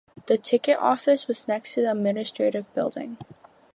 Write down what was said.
The ticket office was next to the administrative building.